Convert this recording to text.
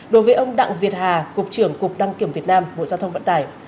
đối với ông đặng việt hà cục trưởng cục đăng kiểm việt nam bộ giao thông vận tải